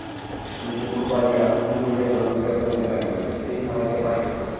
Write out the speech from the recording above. দুই চক্ষু বাহিয়া হুহু করিয়া জল ঝরিয়া পড়িতে লাগিল, কিছুতেই থামাইতে পারি না।